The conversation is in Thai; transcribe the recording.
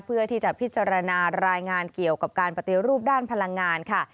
เพื่อที่จะพิจารณารายงานเกี่ยวกับการปฏิรูปด้านพลังงานค่ะ